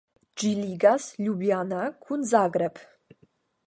Ĝi ligas Ljubljana kun Zagreb.